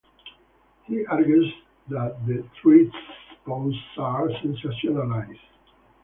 He argues that the threats posed are sensationalized.